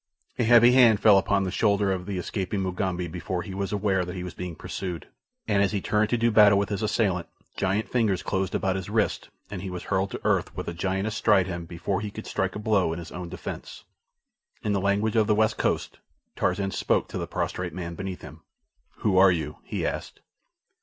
A heavy hand fell upon the shoulder of the escaping Mugambi before he was aware that he was being pursued, and as he turned to do battle with his assailant giant fingers closed about his wrists and he was hurled to earth with a giant astride him before he could strike a blow in his own defence. In the language of the West Coast, Tarzan spoke to the prostrate man beneath him. "Who are you?" he asked.